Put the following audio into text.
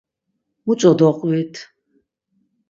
Muç̌o doqvit?